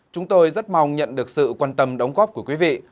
chúng tôi rất mong nhận được sự quan tâm đóng góp của quý vị